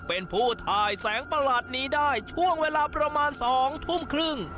เป็นผู้ถ่ายแสงประหลาดนี้ได้ช่วงเวลาประมาณ๒ทุ่มครึ่ง